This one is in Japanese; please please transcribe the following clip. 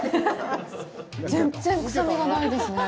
全然、臭みがないですね。